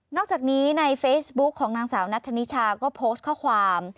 อกจากนี้ในเฟซบุ๊คของนางสาวนัทธนิชาก็โพสต์ข้อความ